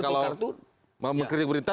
kalau mengkritik berita